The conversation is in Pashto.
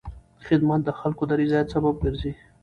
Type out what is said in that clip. خدمت د خلکو د رضایت سبب ګرځي.